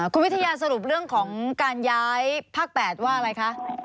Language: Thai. คุณวิทยาสรุปเรื่องของการย้ายภาค๘ว่าอะไรคะ